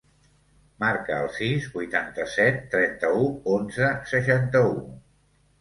Marca el sis, vuitanta-set, trenta-u, onze, seixanta-u.